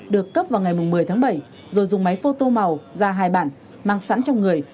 được cấp vào ngày một mươi tháng bảy rồi dùng máy phô tô màu ra hai bản mang sẵn trong người